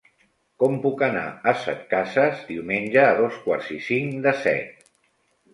Com puc anar a Setcases diumenge a dos quarts i cinc de set?